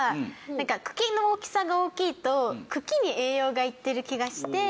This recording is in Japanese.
なんか茎の大きさが大きいと茎に栄養がいってる気がして。